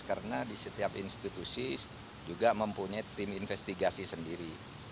karena di setiap institusi juga mempunyai tim investigasi sendiri